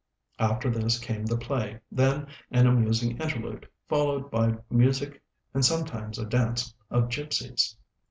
After this came the play, then an amusing interlude, followed by music and sometimes by a dance of gipsies.